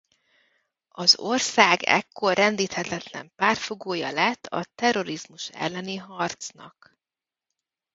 Az ország ekkor rendíthetetlen pártfogója lett a terrorizmus elleni harcnak.